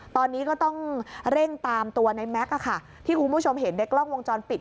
ตอนนี้ก็ต้องเร่งตามตัวในแม็กซ์ที่คุณผู้ชมเห็นในกล้องวงจรปิด